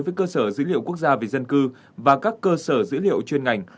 với cơ sở dữ liệu quốc gia về dân cư và các cơ sở dữ liệu chuyên ngành